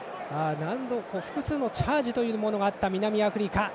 複数のチャージがあった南アフリカ。